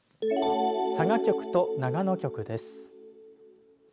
佐賀局と長野局です。